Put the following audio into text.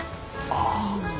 ああ。